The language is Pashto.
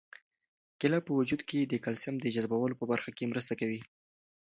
کیله په وجود کې د کلسیم د جذبولو په برخه کې مرسته کوي.